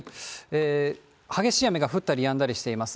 激しい雨が降ったりやんだりしています。